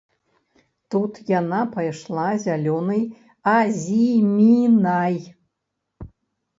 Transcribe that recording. Тут яна пайшла зялёнай азімінай.